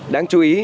đáng chú ý